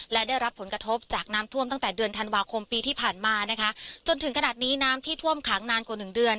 และได้รับผลกระทบจากน้ำท่วมตั้งแต่เดือนธันวาคมปีที่ผ่านมานะคะจนถึงขนาดนี้น้ำที่ท่วมขังนานกว่าหนึ่งเดือน